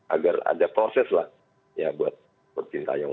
agar ada proses lah ya buat sintayong